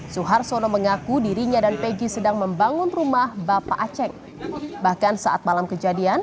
suhar sono mengaku dirinya dan pegi sedang membangun peristiwa